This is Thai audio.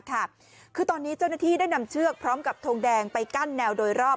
คือตอนนี้เจ้าหน้าที่ได้นำเชือกพร้อมกับทงแดงไปกั้นแนวโดยรอบ